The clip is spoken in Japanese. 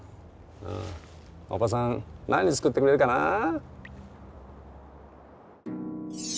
あおばさん何作ってくれるかな。